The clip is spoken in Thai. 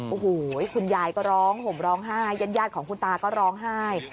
โอ้โหคุณยายก็ร้องห่มร้องไห้ยาดของคุณตาก็ร้องไห้